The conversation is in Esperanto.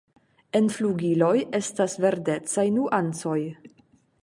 En flugiloj estas verdecaj nuancoj.